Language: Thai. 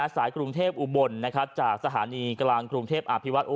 กรุงเทพอุบลจากสถานีกลางกรุงเทพอภิวัต